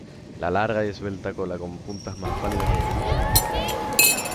La larga y esbelta cola con puntas más pálidas y negruzca por abajo.